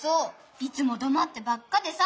いつもだまってばっかでさ。